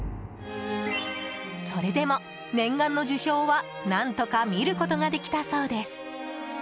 それでも、念願の樹氷は何とか見ることができたそうです。